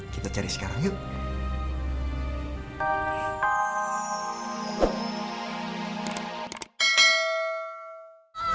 kita cari sekarang yuk